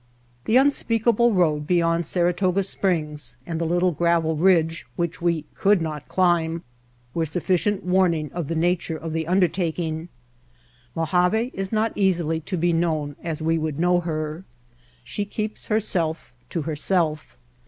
The unspeakable road beyond Saratoga Springs and the little gravel ridge which we could not climb were sufficient warning of the nature of the undertaking. Mojave is not easily to be known as we would know her. She keeps herself to herself.